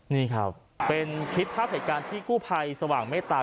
นี่ครับเป็นคลิปภาพเหตุการณ์ที่กู้ภัยสว่างเมตตา